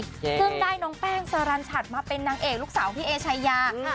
ซึ่งได้น้องแป้งสรรชัดมาเป็นนางเอกลูกสาวพี่เอชายาค่ะ